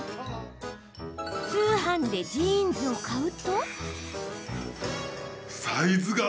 通販でジーンズを買うと。